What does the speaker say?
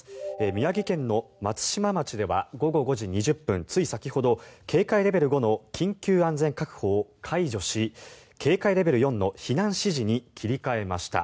宮城県の松島町では午後５時２０分つい先ほど、警戒レベル５の緊急安全確保を解除し警戒レベル４の避難指示に切り替えました。